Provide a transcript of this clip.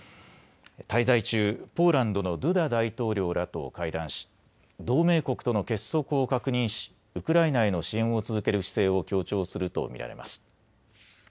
滞在中、ポーランドのドゥダ大統領らと会談し同盟国との結束を確認しウクライナへの支援を続ける姿勢を強調すると見られます。